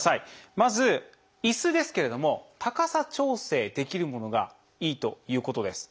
まず椅子ですけれども高さ調整できるものがいいということです。